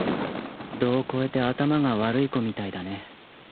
度を越えて頭が悪い子みたいだね。